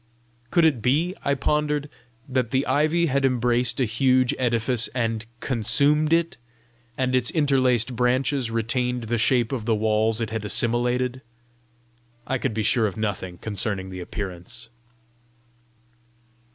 Could it be, I pondered, that the ivy had embraced a huge edifice and consumed it, and its interlaced branches retained the shapes of the walls it had assimilated? I could be sure of nothing concerning the appearance.